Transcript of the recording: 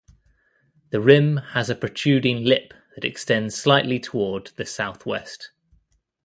The rim has a protruding lip that extends slightly toward the southwest.